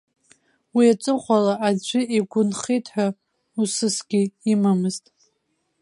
Уи аҵыхәала аӡәы игәы нхеит ҳәа усысгьы имамызт.